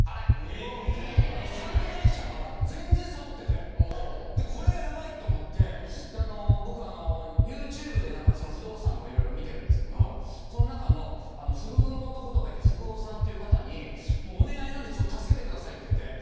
管理会社が全然サボっててこれはヤバいと思って僕あのＹｏｕＴｕｂｅで不動産の色々見てるんですけどもその中の。という方に「お願いなんで助けてください」って言って。